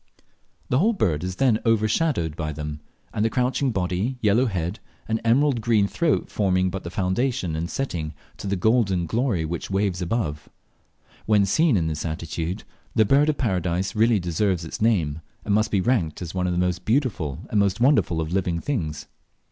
The whole bird is then overshadowed by them, the crouching body, yellow head, and emerald green throat forming but the foundation and setting to the golden glory which waves above. When seen in this attitude, the Bird of Paradise really deserves its name, and must be ranked as one of the most beautiful and most wonderful of living things.